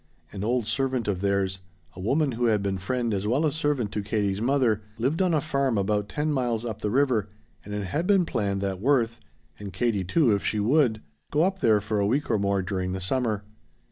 An old servant of theirs a woman who had been friend as well as servant to Katie's mother lived on a farm about ten miles up the river and it had been planned that Worth and Katie, too, if she would go up there for a week or more during the summer.